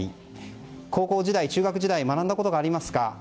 高校時代、中学時代学んだことがありますか？